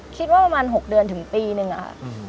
คิดว่า๖เดือนถึงปีนึงค่ะ